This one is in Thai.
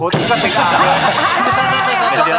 ห้าเท่า